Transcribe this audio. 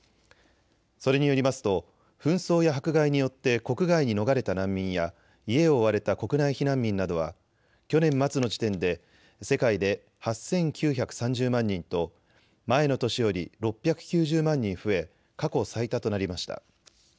それによりますと紛争や迫害によって国外に逃れた難民や家を追われた国内避難民などは去年末の時点で世界で８９３０万人と前の年より６９０万人増え過去最多となりました。